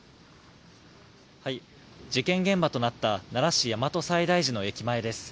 事件現場となった奈良市、大和西大寺の駅前です。